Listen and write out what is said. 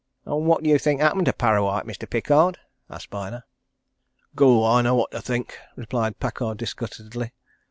"What do you think happened to Parrawhite, Mr. Pickard?" asked Byner. "Gow, I know what I think!" replied Pickard disgustedly.